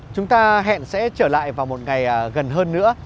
chúng ta hẹn sẽ trở lại vào một ngày gần hơn nữa